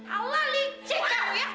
allah licik kamu ya